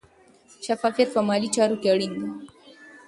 شفافیت په مالي چارو کې اړین دی.